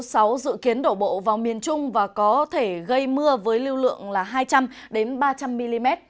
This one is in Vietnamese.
dự kiến đổ bộ vào miền trung và có thể gây mưa với lưu lượng hai trăm linh ba trăm linh mm